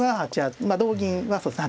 同銀はそうですね